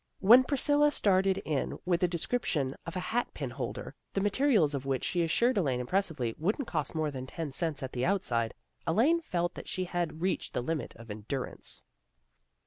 When Priscilla started in with a description of a hat pin holder, the materials of which, she assured Elaine, impressively, wouldn't cost more than ten cents at the outside, Elaine felt that she had reached the limit of endurance.